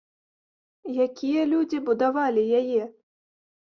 Якія людзі будавалі яе?